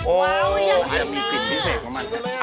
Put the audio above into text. โอ้โฮยังมีน่ะจริงกันแหละจริงกันแหละ